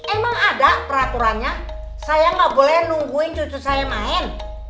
emang ada peraturannya saya nggak boleh nungguin cucu saya main